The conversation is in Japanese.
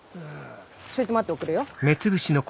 ちょいと待っておくれよ。